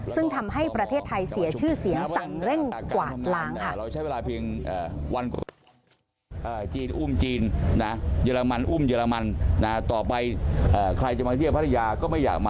ซึ่งทำให้ประเทศไทยเสียชื่อเสียงสั่งเร่งกวาดล้างค่ะ